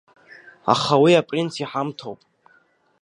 Аха уи апринц иҳамҭоуп.